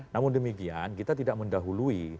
namun demikian kita tidak mendahului